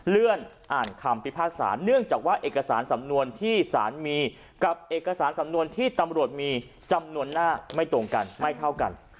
เลื่อนอ่านคำพิพากษาเนื่องจากว่าเอกสารสำนวนที่สารมีกับเอกสารสำนวนที่ตำรวจมีจำนวนหน้าไม่ตรงกันไม่เท่ากัน